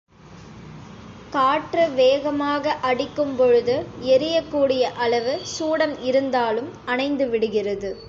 காற்று வேகமாக அடிக்கும் பொழுது எரியக் கூடிய அளவு சூடம் இருந்தாலும் அணைந்துவிடுகிறது!